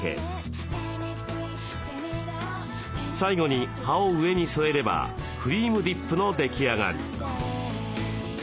最後に葉を上に添えればクリームディップの出来上がり。